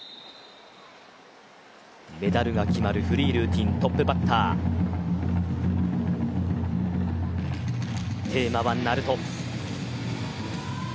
メダルが決まるフリールーティントップバッター、テーマはＮａｒｕｔｏ。